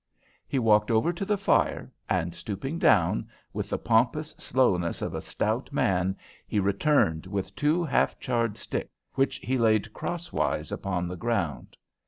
He walked over to the fire, and stooping down, with the pompous slowness of a stout man, he returned with two half charred sticks, which he laid crosswise upon the ground.